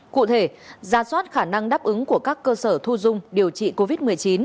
cụ thể ra soát khả năng đáp ứng của các cơ sở thu dung điều trị covid một mươi chín